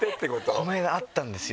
この間あったんですよ。